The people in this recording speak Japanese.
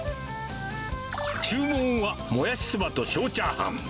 注文は、もやしソバと小チャーハン。